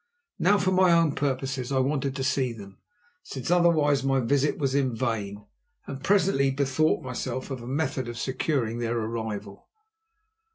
Now, for my own purposes, I wanted to see them, since otherwise my visit was in vain, and presently bethought myself of a method of securing their arrival.